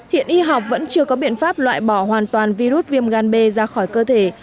hiện y học vẫn chưa có biện pháp loại bỏ hoàn toàn virus viêm gan b ra khỏi cơ thể